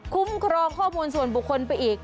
ครองข้อมูลส่วนบุคคลไปอีก